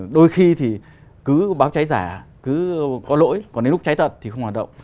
đôi khi thì cứ báo cháy giả cứ có lỗi còn đến lúc cháy tật thì không hoạt động